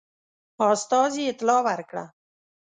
استازي اطلاع ورکړه.